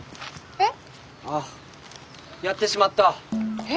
えっ！？